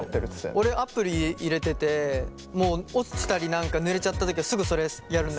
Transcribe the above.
俺アプリ入れててもう落ちたり何かぬれちゃった時はすぐそれやるんだけど。